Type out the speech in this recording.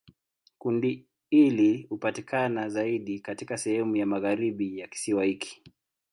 Kundi hili hupatikana zaidi katika sehemu ya magharibi ya kisiwa hiki.